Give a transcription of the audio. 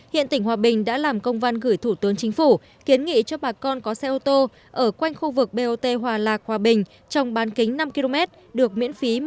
hiện tỉnh hòa bình đã làm công văn gửi thủ tướng chính phủ kiến nghị cho bà con có xe ô tô ở quanh khu vực bot hòa lạc hòa bình trong bán kính năm km được miễn phí một trăm linh